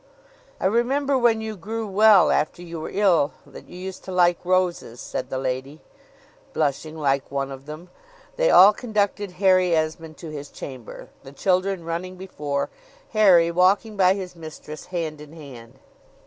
"I remember when you grew well after you were ill that you used to like roses," said the lady, blushing like one of them. They all conducted Harry Esmond to his chamber; the children running before, Harry walking by his mistress hand in hand.